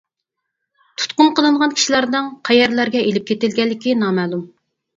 تۇتقۇن قىلىنغان كىشىلەرنىڭ قەيەرلەرگە ئېلىپ كېتىلگەنلىكى نامەلۇم.